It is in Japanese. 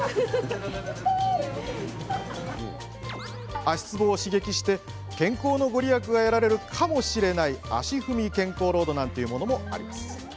足つぼを刺激して健康の御利益が得られるかもしれない足ふみ健康ロードなんていうものも。